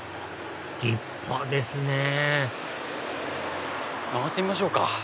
立派ですね曲がってみましょうか。